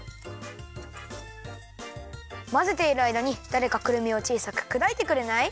まぜているあいだにだれかくるみをちいさくくだいてくれない？